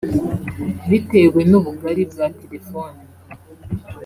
Bitewe n’ubugari bwa telefoni